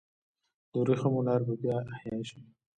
د ورېښمو لار به بیا احیا شي؟